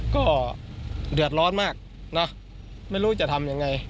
ก็เดือดร้อนมากนะไม่รู้จะทำยังไง